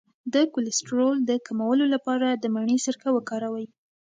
د کولیسټرول د کمولو لپاره د مڼې سرکه وکاروئ